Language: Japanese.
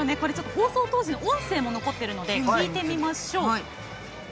放送当時の音声も残っているので聞いてみましょう。